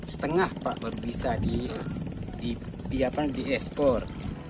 setengah pak baru bisa di di di di di diekspor